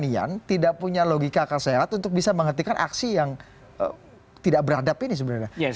tidak punya keberanian tidak punya logika kesehatan untuk bisa menghentikan aksi yang tidak berhadap ini sebenarnya